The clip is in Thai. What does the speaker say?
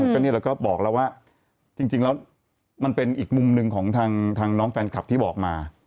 ก็นี่เราก็บอกแล้วว่าจริงแล้วมันเป็นอีกมุมหนึ่งของทางน้องแฟนคลับที่บอกมา